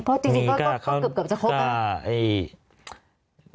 เพราะจริงก็เกือบจะครบอ่ะ